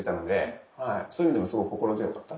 そういう意味でもすごく心強かった。